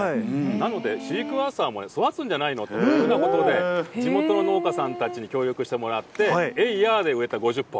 なので、シークワーサーも育つんじゃないの？っていうふうなことで、地元の農家さんたちに協力してもらって、エイヤーで植えた５０本。